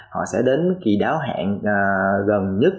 họ sẽ đến kỳ đáo hạn